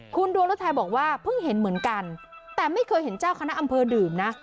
คุณดวงฤทัยบอกว่าเพิ่งเห็นเหมือนกันแต่ไม่เคยเห็นเจ้าคณะอำเภอดื่มนะ